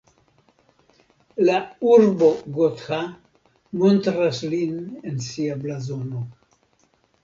La urbo Gotha montras lin en sia blazono.